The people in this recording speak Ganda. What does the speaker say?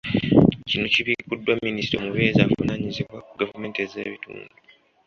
Kino kibikkuddwa Minisita omubeezi avunaanyizibwa ku gavumenti ez’ebitundu.